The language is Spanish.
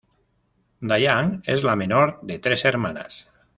Diane es la menor de tres hermanas.